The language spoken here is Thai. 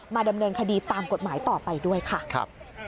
ดำเนินคดีตามกฎหมายต่อไปด้วยค่ะ